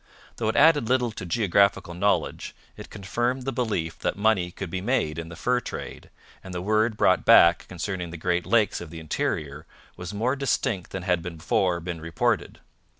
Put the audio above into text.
Though it added little to geographical knowledge, it confirmed the belief that money could be made in the fur trade, and the word brought back concerning the Great Lakes of the interior was more distinct than had before been reported.